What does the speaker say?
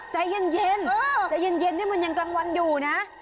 ใจเย็นใจเย็นนี่มันยังกลางวันอยู่นะ